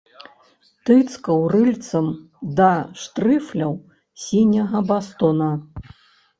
Тыцкаў рыльцам да штрыфляў сіняга бастона.